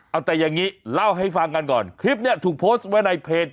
เอาแต่อย่างนี้เล่าให้ฟังกันก่อนคลิปนี้ถูกโพสต์ไว้ในเพจ